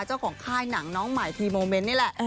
เจ้าของค่ายหนังน้องหมายพรีโมเม้นต์นี่แหละ